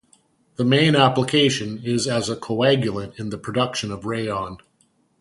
The main application is as a coagulant in the production of rayon.